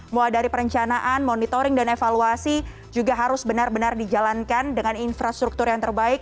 mulai dari perencanaan monitoring dan evaluasi juga harus benar benar dijalankan dengan infrastruktur yang terbaik